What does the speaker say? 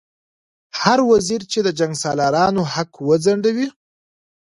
هر وزیر چې د جنګسالارانو حق وځنډوي.